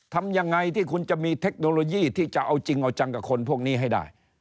ทำยังไงที่คุณจะมีเทคโนโลยีที่จะเอาจริงเอาจังกับคนพวกนี้ให้ได้